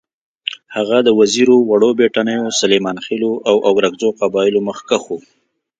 هغه د وزیرو، وړو بېټنیو، سلیمانخېلو او اورکزو قبایلو مخکښ وو.